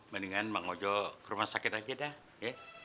mendingan bang ojo ke rumah sakit aja dah ya